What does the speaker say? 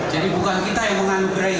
jadi bukan kita yang menganugerahi